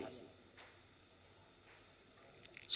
dan mereka dihukum dengan pidana penjara yang bervariasi